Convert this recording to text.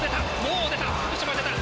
もう出た！